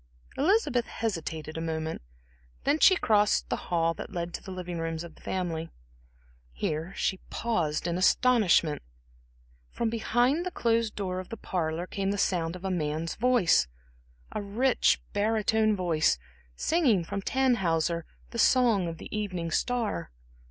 Elizabeth hesitated a moment, then she crossed the hall that led to the living rooms of the family. Here she paused in astonishment. From behind the closed door of the parlor came the sound of a man's voice; a rich, barytone voice singing from Tannhäuser the song of the Evening Star.